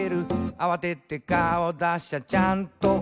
「あわてて顔だしゃちゃんとある」